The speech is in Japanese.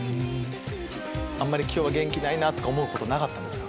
今日は元気ないなとか思うことなかったんですか？